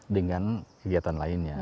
dengan kegiatan lainnya